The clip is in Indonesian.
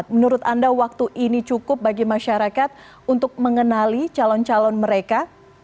menurut anda waktu ini cukup bagi masyarakat untuk mengenali calon calon mereka